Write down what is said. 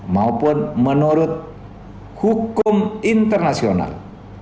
maupun menurut hukum internasional